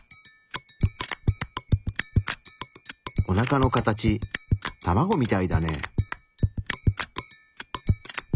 おなかの形卵みたいだね。